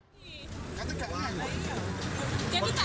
kata gak lain